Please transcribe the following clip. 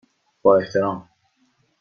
با احترام،